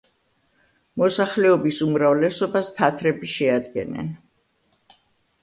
მოსახლეობის უმრავლესობას თათრები შეადგენენ.